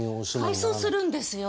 改装するんですよ